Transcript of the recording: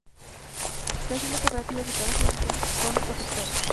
Creación de cooperativas de trabajo dentro de las zonas afectadas.